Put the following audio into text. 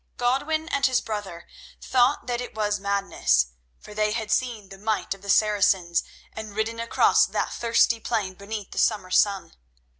Godwin and his brother thought that it was a madness; for they had seen the might of the Saracens and ridden across that thirsty plain beneath the summer sun.